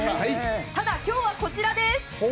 ただ、今日はこちらです。